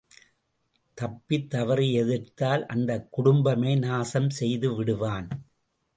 தப்பித் தவறி எதிர்த்தால் அந்தக்குடும்பமே நாசம் செய்து விடுவான்.